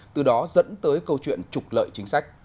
từ đó dẫn tới câu chuyện trục lợi chính sách